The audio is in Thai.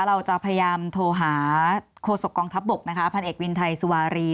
เราจะพยายามโทรหาโฆษกองทัพบกนะคะพันเอกวินไทยสุวารี